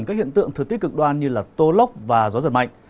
các hiện tượng thực tích cực đoan như là tô lóc và gió giật mạnh